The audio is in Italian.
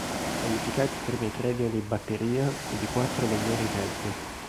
Qualificati i primi tre di ogni batteria ed i quattro migliori tempi.